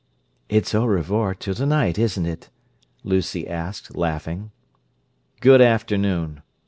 "It's 'au revoir,' till to night, isn't it?" Lucy asked, laughing. "Good afternoon!"